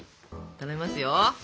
頼みますよ。